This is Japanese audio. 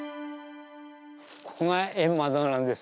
ここが閻魔堂なんです。